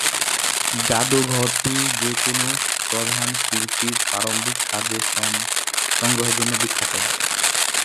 জাদুঘরটি যে কোন প্রধান শিল্পীর প্রারম্ভিক কাজের সংগ্রহের জন্য প্রখ্যাত।